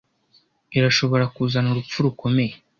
irashobora kuzana urupfu rukomeye